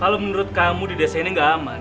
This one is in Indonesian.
kalau menurut kamu di desa ini nggak aman